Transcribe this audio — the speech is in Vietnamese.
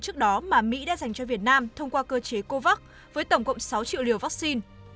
trước đó mà mỹ đã dành cho việt nam thông qua cơ chế covax với tổng cộng sáu triệu liều vaccine